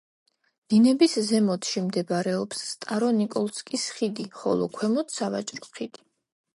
დინების ზემოთში მდებარეობს სტარო-ნიკოლსკის ხიდი, ხოლო ქვემოთ სავაჭრო ხიდი.